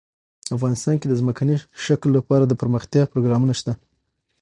افغانستان کې د ځمکنی شکل لپاره دپرمختیا پروګرامونه شته.